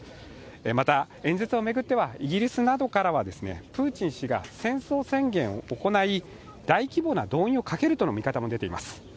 また、演説を巡ってはイギリスなどからプーチン氏が戦争宣言を行い、大規模な動員をかけるとの見方も出ています。